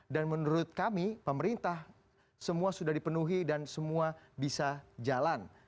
dan menurut kami pemerintah semua sudah dipenuhi dan semua bisa jalan